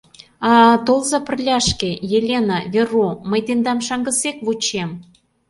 А-а-а, толза пырляшке, Елена, Веру, мый тендам шаҥгысек вучем.